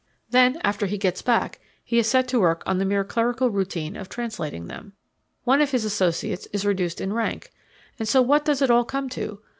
Then after he gets back he is set to work on the mere clerical routine of translating them. One of his associates is reduced in rank. And so what does it all come to?